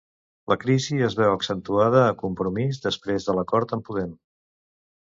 La crisi es veu accentuada a Compromís després de l'acord amb Podem.